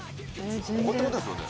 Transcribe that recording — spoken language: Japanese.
ここってことですよね？